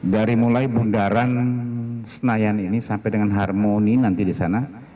dari mulai bundaran senayan ini sampai dengan harmoni nanti di sana